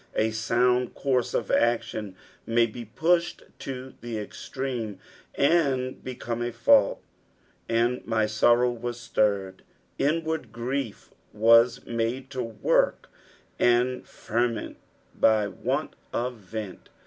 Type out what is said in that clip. A sound course of action may be pushed to the extreme, and become a fault. "And my torrme wai iltrred." Inward grief was mode to work and ferment by want of vent.